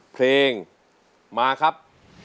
เพลงมาครับ